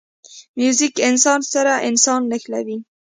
موزیک انسان سره انسان نښلوي.